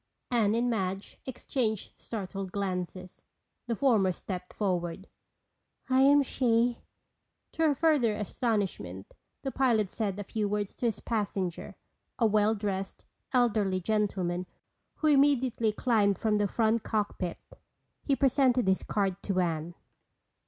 Anne and Madge exchanged startled glances. The former stepped forward. "I am she." To her further astonishment, the pilot said a few words to his passenger, a well dressed, elderly gentleman, who immediately climbed from the front cockpit. He presented his card to Anne.